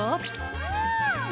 うん！